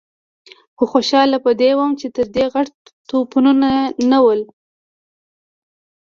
خو خوشاله په دې وم چې تر دې غټ توپونه نه ول.